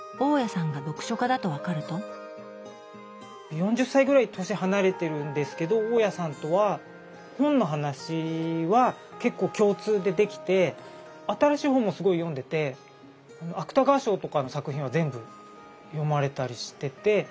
４０歳ぐらい年離れてるんですけど大家さんとは本の話は結構共通でできて新しい本もすごい読んでて芥川賞とかの作品は全部読まれたりしててあと村上春樹も好きで漫画にも書いたんですけど